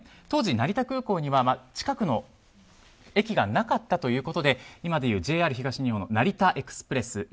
当時、成田空港には近くの駅がなかったということで今でいうＪＲ東日本の成田エクスプレス